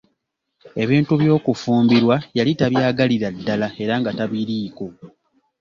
Ebintu by'okufumbirwa yali tabyagalira ddala era nga tabiliiko.